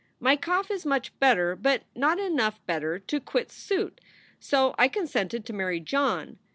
My cough is much better but not enough better to quite suit, so I con sented to marry John.